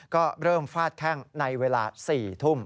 ก็เริ่มฟาดแข้งในเวลา๔ทุ่ม